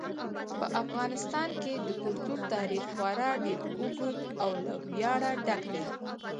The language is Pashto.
په افغانستان کې د کلتور تاریخ خورا ډېر اوږد او له ویاړه ډک دی.